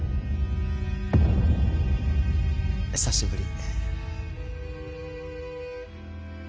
久しぶり。